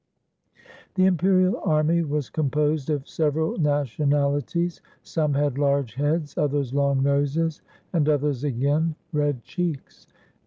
The imperial army was composed of several nationalities. Some had large heads, others long noses, and others again red cheeks.